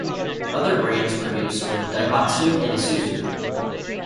Other brands produced were Daihatsu and Isuzu.